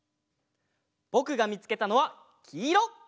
ぼくがみつけたのはきいろ！